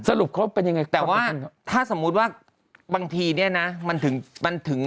สรุปเขาเป็นยังไงแต่ว่าถ้าสมมุติว่าบางทีเนี่ยนะมันถึงมันถึง